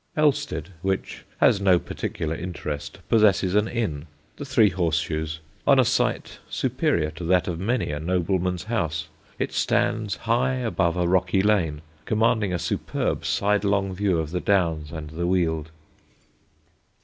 Elsted, which has no particular interest, possesses an inn, the Three Horse Shoes, on a site superior to that of many a nobleman's house. It stands high above a rocky lane, commanding a superb sidelong view of the Downs and the Weald.